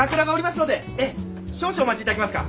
少々お待ちいただけますか？